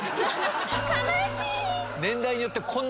悲しい！